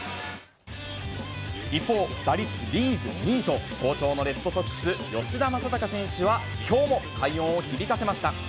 一方、打率リーグ２位と好調のレッドソックス、吉田正尚選手は、きょうも快音を響かせました。